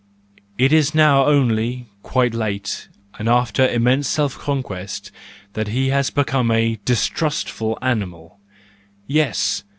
It is now only, quite late, and after an immense self conquest, that he has become a distrustful animal,—yes